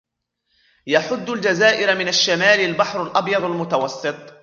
يحُدُّ الجزائر من الشمال البحر الأبيض المتوسّط.